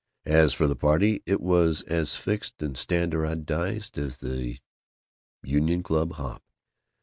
As for the party, it was as fixed and standardized as a Union Club Hop.